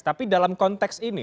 tapi dalam konteks ini